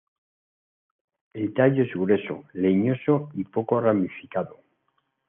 El tallo es grueso, leñoso y poco ramificado.